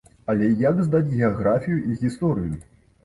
Але як здаць геаграфію і гісторыю?